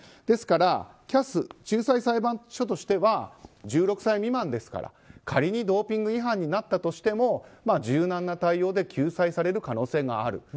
ですから、ＣＡＳ仲裁裁判所としては１６歳未満ですから仮にドーピング違反になったとしても柔軟な対応で救済される可能性がある。